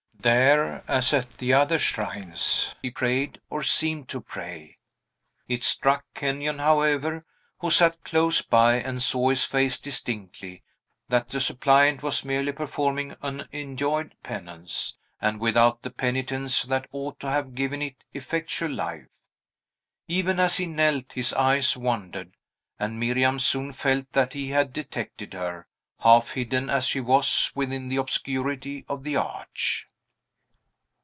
There, as at the other shrines, he prayed, or seemed to pray. It struck Kenyon, however, who sat close by, and saw his face distinctly, that the suppliant was merely performing an enjoined penance, and without the penitence that ought to have given it effectual life. Even as he knelt, his eyes wandered, and Miriam soon felt that he had detected her, half hidden as she was within the obscurity of the arch.